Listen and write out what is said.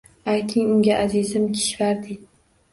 Ayting unga, azizim Kishvardi!..